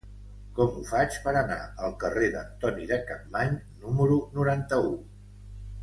Com ho faig per anar al carrer d'Antoni de Capmany número noranta-u?